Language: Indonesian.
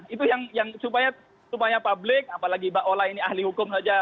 itu yang supaya publik apalagi mbak ola ini ahli hukum saja